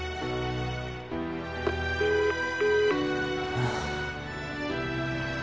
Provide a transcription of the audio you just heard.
ああ。